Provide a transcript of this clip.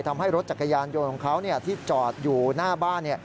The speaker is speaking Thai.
ทำให้รถจักรยานยนต์ของเขาที่จอดอยู่หน้าบ้าน